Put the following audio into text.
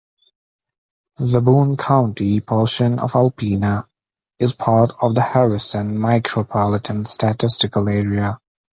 The Boone County portion of Alpena is part of the Harrison Micropolitan Statistical Area.